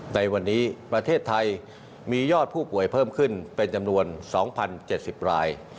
ในวันนี้ประเทศไทยมียอดผู้ป่วยเพิ่มขึ้นเป็นจำนวน๒๐๗๐ราย